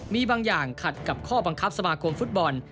มีบางอย่างขัดกับข้อบังคับสมาคมฟุตบอล